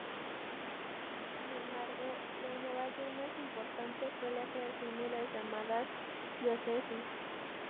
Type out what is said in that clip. Sin embargo, la innovación más importante fue la creación de las llamadas diócesis.